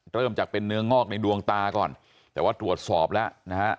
เริ่มจากเป็นเนื้องอกในดวงตาก่อนแต่ว่าตรวจสอบแล้วนะฮะ